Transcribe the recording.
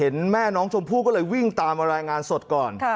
แม่น้องชมพู่ก็เลยวิ่งตามมารายงานสดก่อน